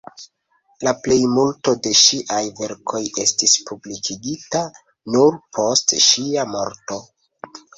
La plejmulto de ŝiaj verkoj estis publikigita nur post ŝia morto.